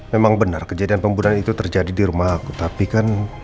memang benar kejadian pembunuhan itu terjadi di rumah tapi kan